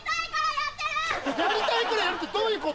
やりたいからやるってどういうこと？